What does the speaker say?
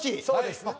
そうです。